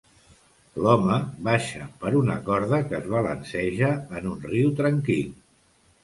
L'home baixa per una corda que es balanceja en un riu tranquil.